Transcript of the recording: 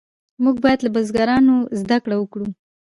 موږ باید له بزرګانو زده کړه وکړو.